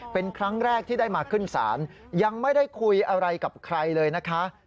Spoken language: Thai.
เป็นครั้งแรกที่ได้มาขึ้นศาลยังไม่ได้คุยอะไรกับใครเลยนะคะ